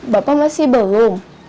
bapak masih belum